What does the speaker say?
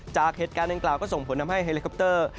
จากเหตุการณ์ดังกล่าวก็ส่งผลทำให้เฮลิคอปเตอร์